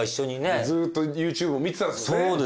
ずっとＹｏｕＴｕｂｅを見てたんですもんね